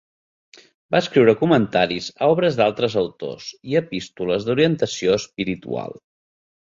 Va escriure comentaris a obres d'altres autors i epístoles d'orientació espiritual.